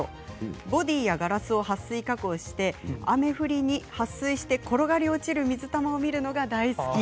ボディーやガラスをはっ水加工して雨降りにはっ水して転がり落ちる水玉を見るのが大好き。